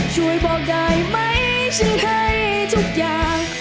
ช่วยบอกได้ไหมฉันให้ทุกอย่าง